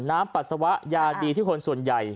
ปัสสาวะยาดีที่คนส่วนใหญ่